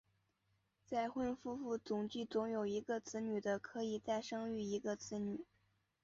再婚夫妇总计只有一个子女的可以再生育一个子女。